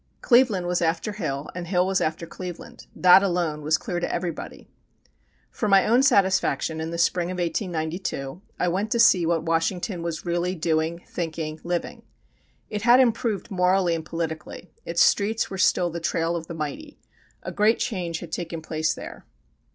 Cleveland was after Hill and Hill was after Cleveland; that alone was clear to everybody. For my own satisfaction, in the spring of 1892, I went to see what Washington was really doing, thinking, living. It had improved morally and politically, its streets were still the trail of the mighty. A great change had taken place there.